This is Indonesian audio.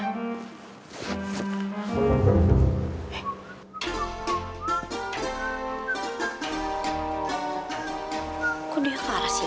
eh kok dia ke arah sini sih